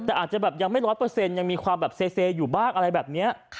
แต่อาจจะแบบยังไม่ร้อยเปอร์เซ็นต์ยังมีความแบบเซอยู่บ้างอะไรแบบนี้